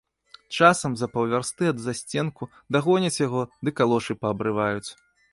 Часам за паўвярсты ад засценку дагоняць яго ды калошы паабрываюць.